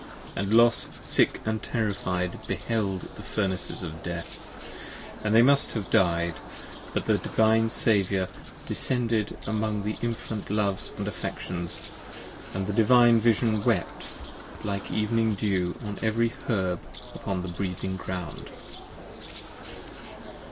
5 Also Los sick & terrified beheld the Furnaces of Death, And must have died, but the Divine Saviour descended Among the infant loves & affections, and the Divine Vision wept Like evening dew on every herb upon the breathing ground.